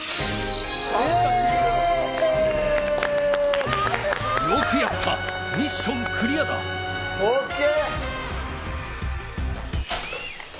すごいよくやったミッションクリアだＯＫ！